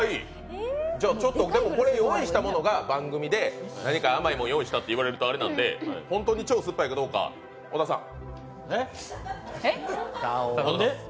用意したものが番組で何か甘いものを用意したと言われると困るので、本当に超酸っぱいかどうか、小田さん。